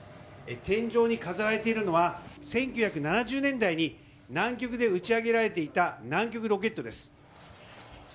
天井に飾られているのは１９７０年代に南極で打ち上げられていた南極ロケットです。